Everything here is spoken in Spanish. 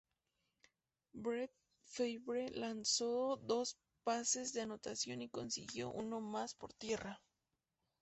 Brett Favre lanzó dos pases de anotación y consiguió uno más por tierra.